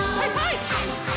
はいはい！